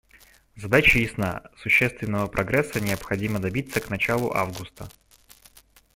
Задача ясна: существенного прогресса необходимо добиться к началу августа.